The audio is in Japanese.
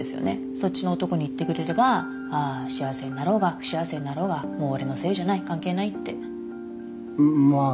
そっちの男に行ってくれればああー幸せになろうが不幸せになろうがもう俺のせいじゃない関係ないってうんまあ